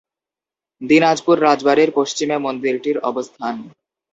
দিনাজপুর রাজবাড়ির পশ্চিমে মন্দিরটির অবস্থান।